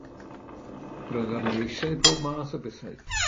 Yr oedd arni eisiau pob math o bethau.